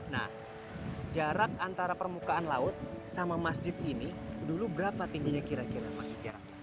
nah jarak antara permukaan laut sama masjid ini dulu berapa tingginya kira kira masjid